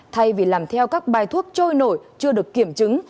thay vì làm theo các bài thuốc trôi nổi chưa được kiểm chứng